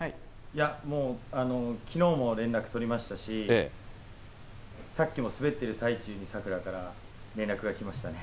もうきのうも連絡取りましたし、さっきも滑ってる最中にさくらから連絡が来ましたね。